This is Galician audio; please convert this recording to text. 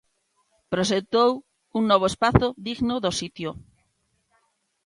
Proxectou un novo espazo digno do sitio.